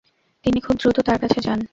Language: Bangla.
তিনি খুব দ্রুত তার কাছে যান।